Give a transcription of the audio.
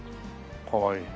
かわいい。